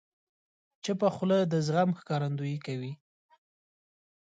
چپه خوله، د زغم ښکارندویي کوي.